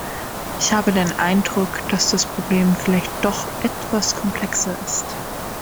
Ich habe den Eindruck, dass das Problem vielleicht doch etwas komplexer ist.